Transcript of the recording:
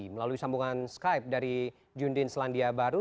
melalui sambungan skype dari jundin selandia baru